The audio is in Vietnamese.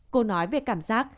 cô nói về cảm giác